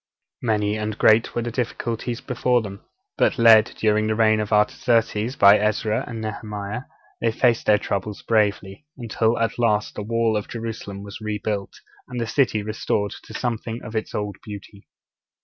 Many and great were the difficulties before them; but led, during the reign of Artaxerxes, by Ezra and Nehemiah, they faced their troubles bravely, until at last the wall of Jerusalem was rebuilt, and the city restored to something of its old beauty.